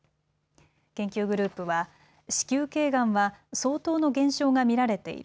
研究グループは子宮けいがんは相当の減少が見られている。